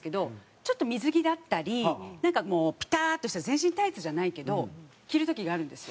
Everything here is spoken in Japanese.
ちょっと水着だったりなんかもうピターッとした全身タイツじゃないけど着る時があるんですよ。